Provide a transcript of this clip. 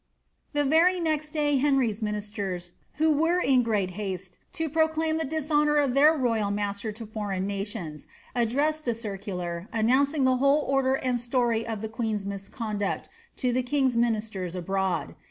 "' The very next day Henry's ministers (who were in great haste to pro claim the dishonour of their royal master to foreign nations) addressed a circular, announcing the whole order and story of the queen^s miscon duct, to the king's ministers abroad.